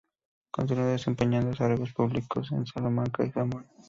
Continuó desempeñando cargos públicos en Salamanca y Zamora.